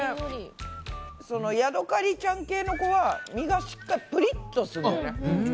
ヤドカリちゃん系の子は身がしっかりプリっとするんだよね。